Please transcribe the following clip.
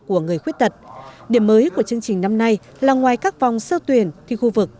của người khuyết tật điểm mới của chương trình năm nay là ngoài các vòng sơ tuyển thi khu vực